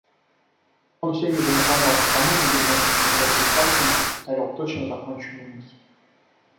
Он все ниже наклонялся ко мне, многозначительно грозил пальцем и повторял точно законченную мысль.